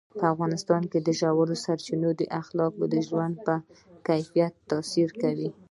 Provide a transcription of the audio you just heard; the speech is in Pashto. په افغانستان کې ژورې سرچینې د خلکو د ژوند په کیفیت تاثیر کوي.